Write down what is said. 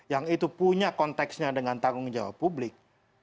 yang itu punya konteksnya dengan tanggung jawab publik